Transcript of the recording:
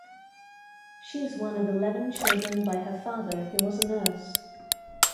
She is one of eleven children by her father, who was a nurse.